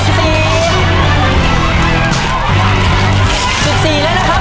สิบห้าแล้วครับ